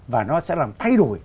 và nó sẽ làm thay đổi